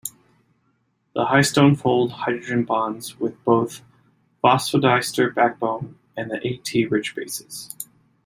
The histone-fold hydrogen bonds with both phosphodiester backbone and the A:T rich bases.